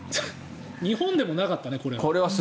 日本でもなかったねこれは。